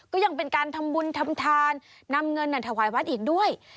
ก็ยังเป็นการทำบุญทำทานนำเงินถวายวัดอีกด้วย